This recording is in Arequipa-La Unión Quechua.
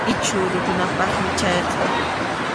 Ichhu rutunapaqmi chayqa.